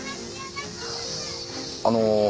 あの。